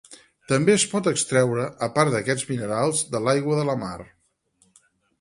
També es pot extreure, a part d'aquests minerals, de l'aigua de la mar.